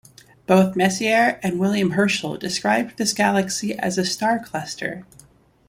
Both Messier and William Herschel described this galaxy as a star cluster.